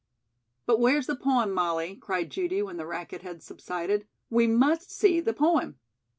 "But where's the poem, Molly," cried Judy, when the racket had subsided. "We must see the poem."